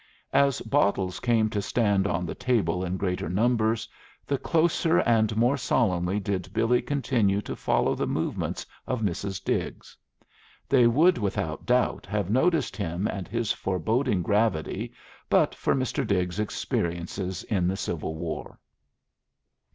As bottles came to stand on the table in greater numbers, the closer and the more solemnly did Billy continue to follow the movements of Mrs. Diggs. They would without doubt have noticed him and his foreboding gravity but for Mr. Diggs's experiences in the Civil War.